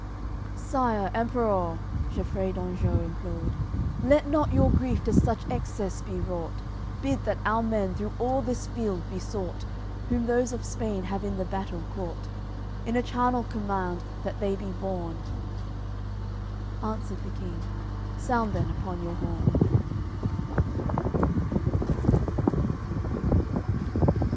AOI. CCXI "Sire, Emperour," Gefrei d'Anjou implored, "Let not your grief to such excess be wrought; Bid that our men through all this field be sought, Whom those of Spain have in the battle caught; In a charnel command that they be borne." Answered the King: "Sound then upon your horn."